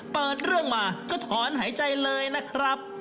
เปิดเรื่องมาก็ถอนหายใจเลยนะครับ